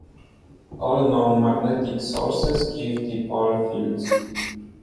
All known magnetic sources give dipole fields.